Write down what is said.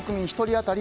当たり